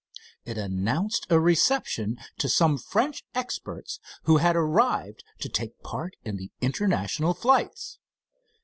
It announced a reception to some French experts who had arrived to take part in the international flights.